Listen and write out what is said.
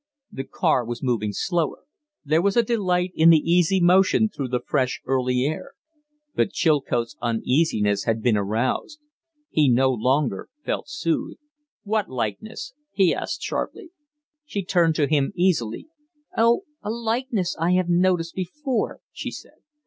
The car was moving slower; there was a delight in the easy motion through the fresh, early air. But Chilcote's uneasiness had been aroused. He no longer felt soothed. "What likeness?" he asked, sharply. She turned to him easily. "Oh, a likeness I have noticed before," she said.